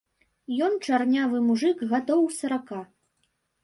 Ён чарнявы мужык гадоў сарака.